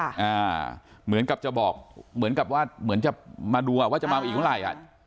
เหมือนกับจะบอกเหมือนกับว่าเหมือนจะมาดูอ่ะว่าจะเมาอีกเมื่อไหร่อ่ะ